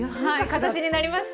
はい形になりました。